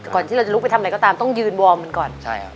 ก่อนที่เราจะลุกไปทำอะไรก็ตามต้องยืนวอร์มมันก่อน